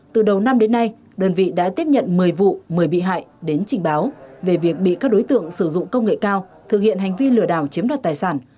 từ đầu năm đến nay đơn vị đã tiếp nhận một mươi vụ một mươi bị hại đến trình báo về việc bị các đối tượng sử dụng công nghệ cao thực hiện hành vi lừa đảo chiếm đoạt tài sản